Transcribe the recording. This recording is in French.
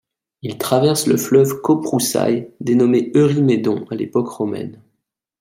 Il traverse le fleuve Köprüçay, dénommé Eurymédon à l'époque romaine.